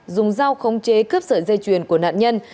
dùng dao khống chế cướp sợi dây chuyền của nạn nhân